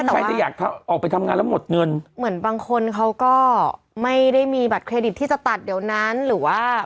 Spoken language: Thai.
ใครจะอยากออกไปทำงานแล้วหมดเงินเหมือนบางคนเขาก็ไม่ได้มีบัตรเครดิตที่จะตัดเดี๋ยวนั้นหรือว่า